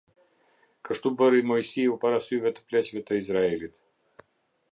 Kështu bëri Moisiu para syve të pleqve të Izraelit.